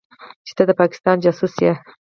چې ته د پاکستان جاسوس يې.